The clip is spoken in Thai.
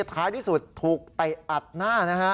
ท้ายที่สุดถูกเตะอัดหน้านะฮะ